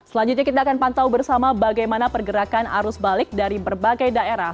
selanjutnya kita akan pantau bersama bagaimana pergerakan arus balik dari berbagai daerah